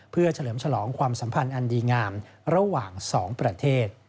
เพื่อเฉลิมฉลองความสัมพันธ์อันดีงามระหว่าง๒ประเทศ